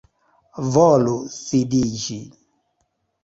Volu sidiĝi.